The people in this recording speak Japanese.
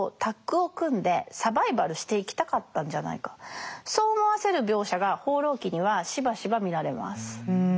男とではなくそう思わせる描写が「放浪記」にはしばしば見られます。